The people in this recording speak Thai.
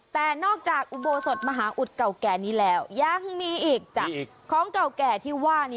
แต่นอกจากอุโบสถมหาอุดเก่าแก่นี้แล้วยังมีอีกของเก่าแก่ที่ว่านี้